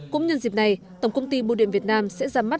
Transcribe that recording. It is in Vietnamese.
cũng nhân dịp này tổng công ty bưu điện việt nam sẽ ra mắt